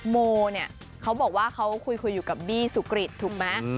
โมเนี่ยเขาบอกว่าเขาคุยอยู่กับบี้สุกริตถูกไหม